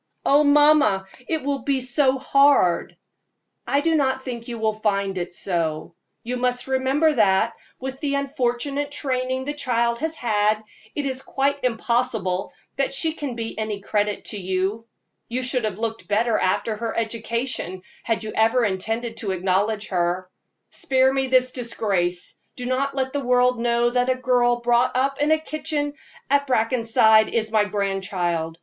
"Oh, mamma, it will be so hard!" "I do not think you will find it so. You must remember that, with the unfortunate training the child has had, it is quite impossible that she can be any credit to you. You should have looked better after her education, had you ever intended to acknowledge her. Spare me this disgrace; do not let the world know that a girl brought up in the kitchen at Brackenside is my grandchild.